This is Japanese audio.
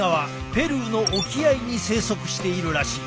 ペルーの沖合に生息しているらしい。